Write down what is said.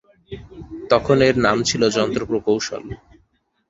তখন এর নাম ছিল যন্ত্র প্রকৌশল।